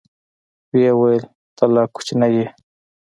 ويې ويل ته لا کوچنى يې.